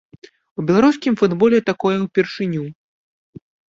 У беларускім футболе такое ўпершыню.